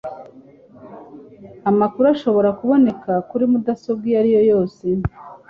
Amakuru ashobora kuboneka kuri mudasobwa iyari yo yose